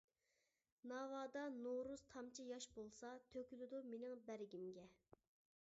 ناۋادا نورۇز تامچە ياش بولسا، تۆكۈلىدۇ مېنىڭ بەرگىمگە.